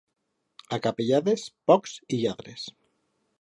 A Capellades, pocs i lladres.